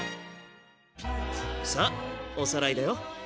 さあおさらいだよ。